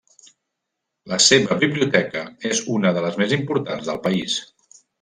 La seva biblioteca és una de les més importants del país.